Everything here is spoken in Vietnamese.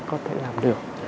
có thể làm được